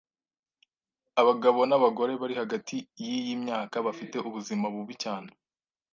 Abagabo n’abagore bari hagati y’iyi myaka bafite ubuzima bubi cyane.